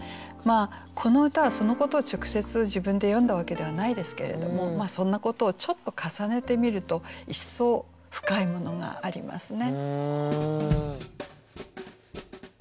この歌はそのことを直接自分で詠んだわけではないですけれどもそんなことをちょっと重ねてみると一層深いものがありますね。